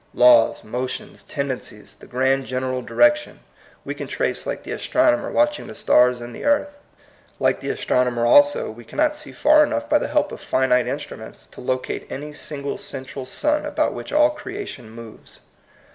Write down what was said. Laws, motions, tendencies, the grand general direction, we can trace like the astronomer watching the stars and the earth. Like the astronomer also, we cannot see far enough by the help of finite instruments to locate any single central sun about which all creation moves.